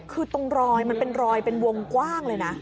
คือตรงรอยมันเป็นรอยเป็นวงกว้างเลยนะ